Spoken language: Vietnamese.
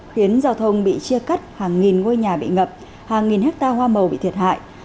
khiến giao thông bị chia cắt hàng nghìn ngôi nhà bị ngập hàng nghìn hectare hoa màu bị thiệt hại